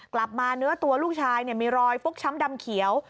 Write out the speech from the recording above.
กลับมาเนื้อตัวลูกชายเนี่ยมีรอยปุ๊กช้ำดำเขียว